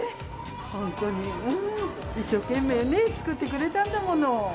本当に、一生懸命ね、作ってくれたんだもの。